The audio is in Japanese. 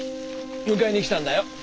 迎えに来たんだよ。